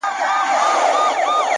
علم د انسان هویت روښانه کوي!